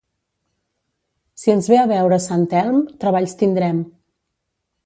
Si ens ve a veure sant Elm, treballs tindrem.